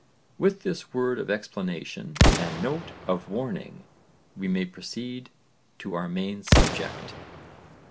With this word of explanation and note of warning we may proceed to our main subject.